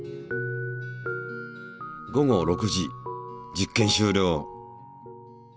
午後６時実験終了。